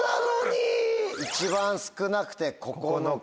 一番少なくて９日。